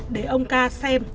để ông ca xem